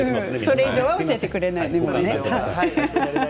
それ以上は教えてくれないんですね。